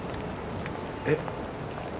えっ？